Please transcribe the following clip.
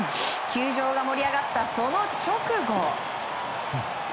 球場が盛り上がったその直後。